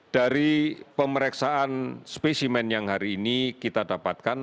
dari pemeriksaan spesimen yang hari ini kita dapatkan